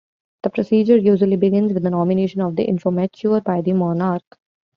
The procedure usually begins with the nomination of the "Informateur" by the monarch.